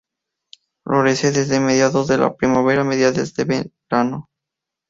Florece desde mediados de la primavera a mediados de verano.